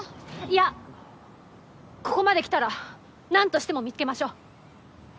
いやここまできたらなんとしても見つけましょう！